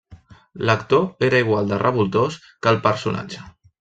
L'actor era igual de revoltós que el personatge.